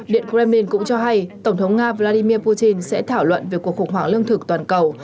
điện kremlin cũng cho hay tổng thống nga vladimir putin sẽ thảo luận về cuộc khủng hoảng lương thực toàn cầu